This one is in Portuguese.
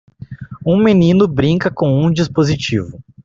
Um menino brinca com um dispositivo.